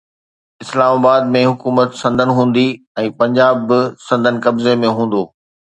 اسلام آباد ۾ حڪومت سندن هوندي ۽ پنجاب به سندن قبضي ۾ هوندو.